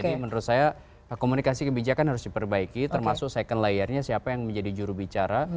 jadi menurut saya komunikasi kebijakan harus diperbaiki termasuk second layernya siapa yang menjadi jurubicara